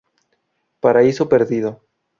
Paraíso Perdido